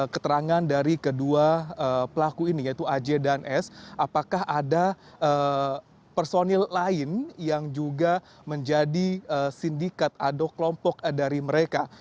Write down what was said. keterangan dari kedua pelaku ini yaitu aj dan s apakah ada personil lain yang juga menjadi sindikat atau kelompok dari mereka